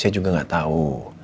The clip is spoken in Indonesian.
saya juga gak tau